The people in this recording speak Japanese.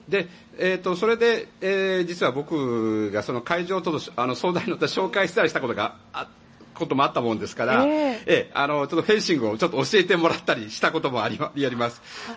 それで、実は僕がその会場の相談に乗って紹介したこともあったものですからちょっとフェンシングを教えてもらったりしたこともあります。